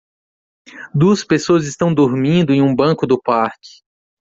Duas pessoas estão dormindo em um banco do parque